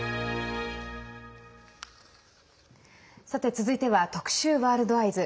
続いては特集「ワールドＥＹＥＳ」。